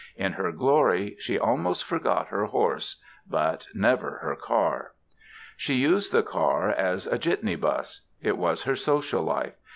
In her glory, she almost forgot her horse but never her car. For she used the car as a jitney bus. It was her social life.